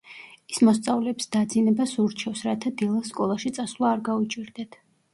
ის მოსწავლეებს დაძინებას ურჩევს, რათა დილას სკოლაში წასვლა არ გაუჭირდეთ.